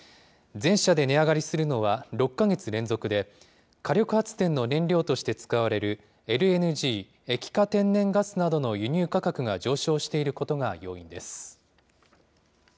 全社で値上がりするのは６か月連続で、火力発電の燃料として使われるＬＮＧ・液化天然ガスなどの輸入価格が上昇していることが要因です。